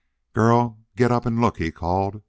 "Girl! Get up and look!" he called.